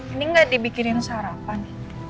ini gak dibikinin sarapan